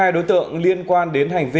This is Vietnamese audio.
hai mươi hai đối tượng liên quan đến hành vi